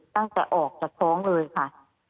ตั้งแต่ออกจากท้องเลยค่ะ